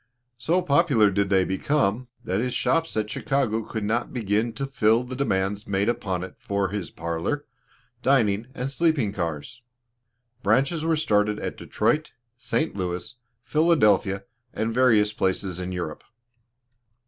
So popular did they become, that his shops at Chicago could not begin to fill the demands made upon it for his parlor, dining, and sleeping cars. Branches were started at Detroit, St. Louis, Philadelphia, and various places in Europe.